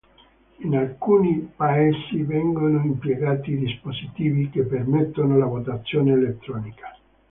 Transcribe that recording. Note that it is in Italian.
In alcuni paesi vengono impiegati dispositivi che permettono la votazione elettronica.